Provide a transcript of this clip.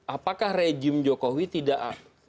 apakah rejim jokowi tidak